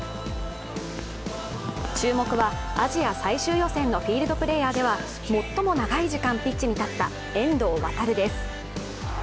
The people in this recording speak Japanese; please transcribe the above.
注目は、アジア最終予選のフィールドプレーヤーでは最も長い時間ピッチに立った遠藤航です。